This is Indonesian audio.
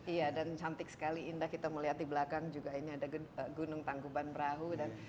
iya dan cantik sekali indah kita melihat di belakang juga ini ada gunung tangkuban berahu